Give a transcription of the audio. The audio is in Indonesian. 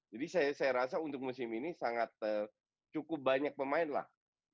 jadi saya rasa untuk musim ini sangat cukup banyak pemain lah